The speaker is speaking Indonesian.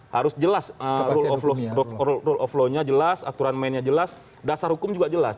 harus jelas rule of law nya jelas aturan mainnya jelas dasar hukum juga jelas